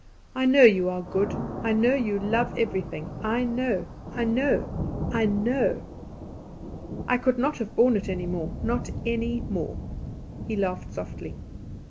I know you are good; I know you love everything; I know, I know, I know! I could not have borne it any more, not any more." He laughed softly.